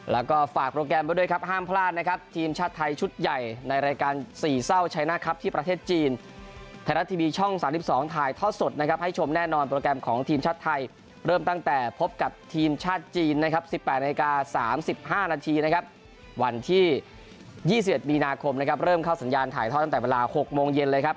เริ่มเข้าสัญญาณถ่ายท่อตั้งแต่เวลา๖โมงเย็นเลยครับ